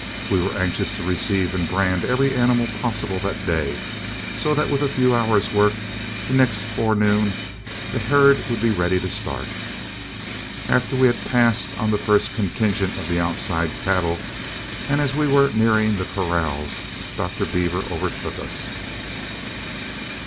We were anxious to receive and brand every animal possible that day, so that with a few hours' work the next forenoon the herd would be ready to start. After we had passed on the first contingent of the outside cattle, and as we were nearing the corrals, Dr. Beaver overtook us.